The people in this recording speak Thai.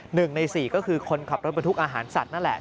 หนึ่งในสี่ก็คือคนขับรถบรรทุกอาหารสัตว์นั่นแหละ